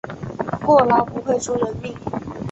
过劳不会出人命